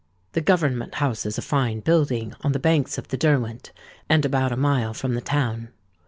The Government House is a fine building, on the banks of the Derwent, and about a mile from the town.